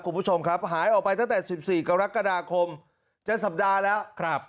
คุณผู้ชมครับหายออกไปตั้งแต่๑๔กรกฎาคมจะสัปดาห์แล้วครับ